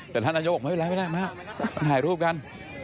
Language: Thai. แต่ท่านนายกบอกไม่เป็นไรไม่ได้มาถ่ายรูปกัน